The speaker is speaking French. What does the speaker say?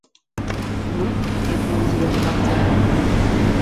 Non, répondit le reporter.